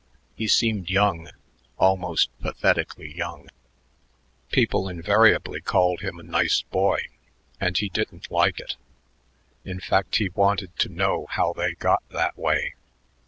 He seemed young, almost pathetically young. People invariably called him a nice boy, and he didn't like it; in fact, he wanted to know how they got that way.